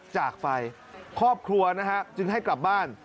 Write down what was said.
จากไปครอบครัวนะฮะจึงให้กลับบ้าน